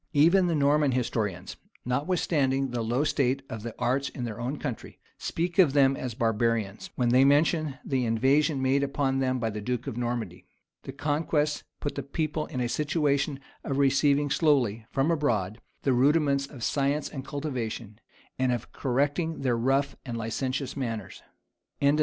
Even the Norman historians, notwithstanding the low state of the arts in their own country, speak of them as barbarians, when they mention the invasion made upon them by the duke of Normandy.[] The conquest put the people in a situation of receiving slowly, from abroad, the rudiments of science and cultivation, and of correcting their rough and licentious manners. [* LL. Ælf.